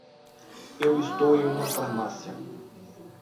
Eu estou em uma farmácia.